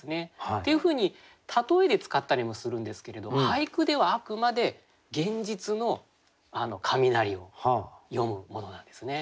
っていうふうに例えで使ったりもするんですけれど俳句ではあくまで現実の雷を詠むものなんですね。